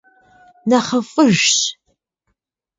НэхъыфӀыжщ!